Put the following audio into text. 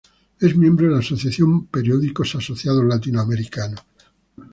Es miembro de la asociación Periódicos Asociados Latinoamericanos.